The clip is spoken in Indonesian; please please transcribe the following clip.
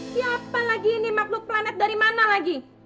siapa lagi ini makhluk planet dari mana lagi